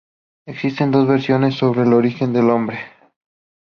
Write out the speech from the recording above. Existen dos versiones sobre el origen de su nombre.